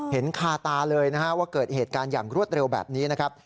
คาตาเลยนะฮะว่าเกิดเหตุการณ์อย่างรวดเร็วแบบนี้นะครับ